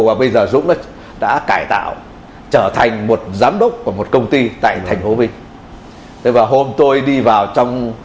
và dũng đã cải tạo trở thành một giám đốc của một công ty tại thành phố vinh và hôm tôi đi vào trong